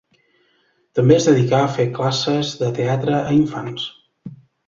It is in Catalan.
També es dedicà a fer classes de teatre a infants.